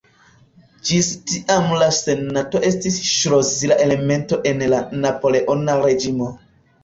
Ĝis tiam la Senato estis ŝlosila elemento en la Napoleona reĝimo.